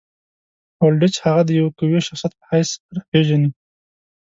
هولډیچ هغه د یوه قوي شخصیت په حیث راپېژني.